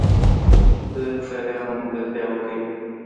د هوښیارانو ملګرتیا وکړئ.